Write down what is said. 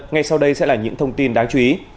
ngay sau đây sẽ là những thông tin đáng chú ý